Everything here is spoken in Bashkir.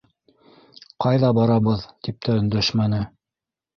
«Ҡайҙа барабыҙ?» - тип тә өндәшмәне.